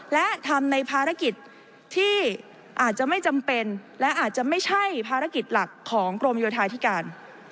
และทำในภารกิจที่อาจจะไม่จำเป็นและอาจจะไม่ใช่ภารกิจหลักของกรมโยธาธิการ